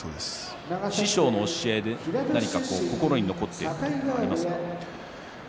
師匠の教えで心に残っていることはありますか。